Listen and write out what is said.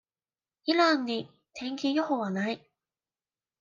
イランに、天気予報は無い。